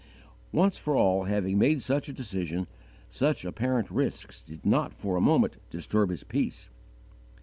Once for all having made such a decision, such apparent risks did not for a moment disturb his peace.